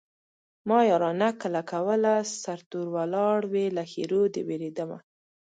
ما يارانه کله کوله سرتور ولاړ وې له ښېرو دې وېرېدمه